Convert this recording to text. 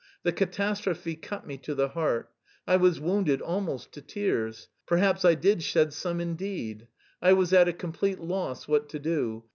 The catastrophe cut me to the heart. I was wounded almost to tears; perhaps I did shed some indeed. I was at a complete loss what to do.